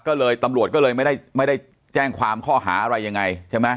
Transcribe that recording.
ก็เลยตำรวจก็เลยไม่ได้แจ้งความข้อหาอะไรยังไงใช่ไหม